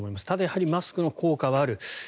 ただ、マスクの効果はある。